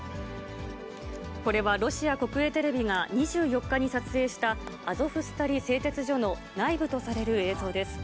これはロシア国営テレビが２４日に撮影した、アゾフスタリ製鉄所の内部とされる映像です。